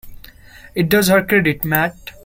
It does her credit, Mat!